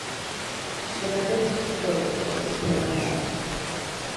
შენობებს სწორკუთხედის ფორმა აქვს.